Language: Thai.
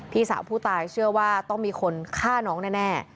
พี่สาวผู้ตายเชื่อว่าต้องมีคนฆ่าน้องแน่